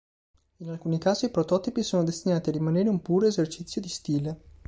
In alcuni casi, i prototipi sono destinati a rimanere un puro esercizio di stile.